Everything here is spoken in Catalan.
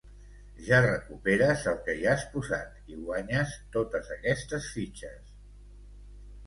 Ja recuperes el que hi has posat i guanyes totes aquestes fitxes.